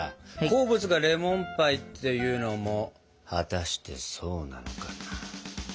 好物がレモンパイっていうのも果たしてそうなのかな？